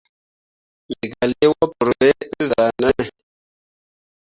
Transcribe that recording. Me gah lii wapǝǝre ɓe te zah nen.